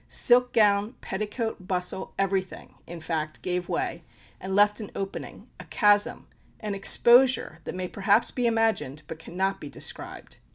Silk gown, petticoat, bustle everything, in fact, gave way, and left an opening a chasm an exposure, that may perhaps be imagined, but cannot be described.